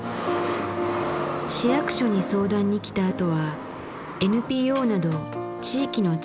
市役所に相談に来たあとはＮＰＯなど地域の力で支えていく。